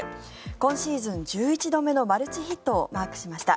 今シーズン１１度目のマルチヒットをマークしました。